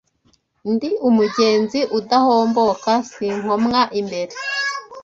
Ndi umugenzi udahomboka sinkomwa imbere